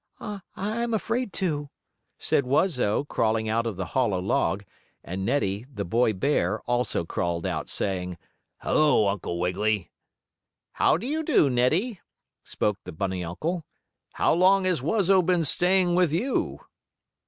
"I I'm afraid to," said Wuzzo, crawling out of the hollow log, and Neddie, the boy bear also crawled out, saying: "Hello, Uncle Wiggily!" "How do you do, Neddie," spoke the bunny uncle. "How long has Wuzzo been staying with you?"